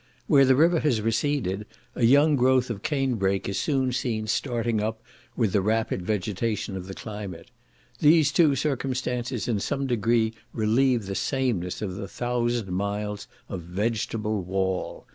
Where the river has receded, a young growth of cane brake is soon seen starting up with the rapid vegetation of the climate; these two circumstances in some degree relieve the sameness of the thousand miles of vegetable wall.